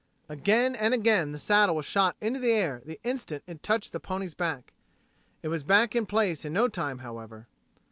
Again and again the saddle was shot into the air the instant it touched the pony's back. It was back in place in no time, however.